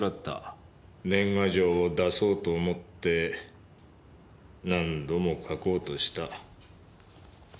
年賀状を出そうと思って何度も書こうとした。